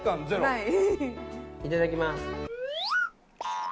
いただきます。